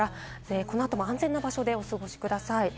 この後も安全な場所でお過ごしください。